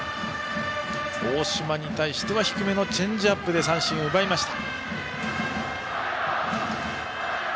大島に対しては低めのチェンジアップで三振を奪いました。